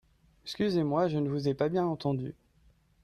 Excusez-moi, je ne vous ai pas bien entendu.